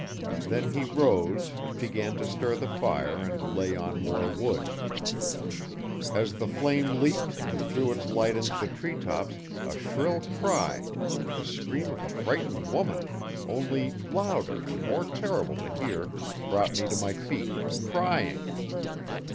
Then he rose and began to stir the fire and lay on more wood. As the flame leaped and threw its light into the tree tops a shrill cry, like the scream of a frightened woman, only louder and more terrible to hear brought me to my feet, crying.